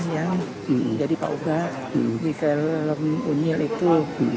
yang jadi pak oba di film unyil itu